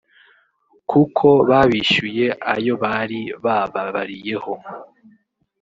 kuko babishyuye ayo bari bababariyeho